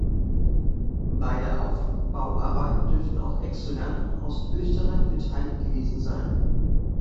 Bei der Aufbauarbeit dürften auch Exulanten aus Österreich beteiligt gewesen sein.